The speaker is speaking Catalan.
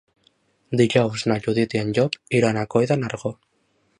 Dijous na Judit i en Llop iran a Coll de Nargó.